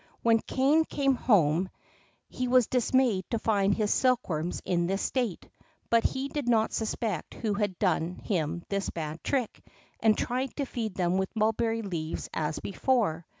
When Kané came home he was dismayed to find his silkworms in this state, but he did not suspect who had done him this bad trick, and tried to feed them with mulberry leaves as before.